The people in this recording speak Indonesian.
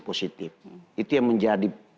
positif itu yang menjadi